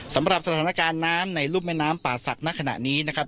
สำหรับสถานการณ์น้ำในรุ่มแม่น้ำป่าศักดิ์ณขณะนี้นะครับ